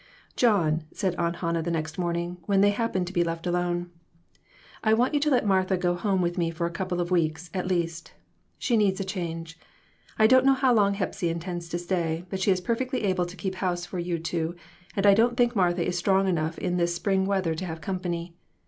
"John," said Aunt Hannah the next morning, when they happened to be left alone, "I want you to let Martha go home with me for a couple of weeks, at least. She needs a change. I don't know how long Hepsy intends to stay, but she is perfectly able to keep house for you two, and I don't think Martha is strong enough in this spring weather to have company.